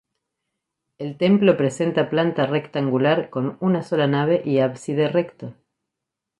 El templo presenta planta rectangular con una sola nave y ábside recto.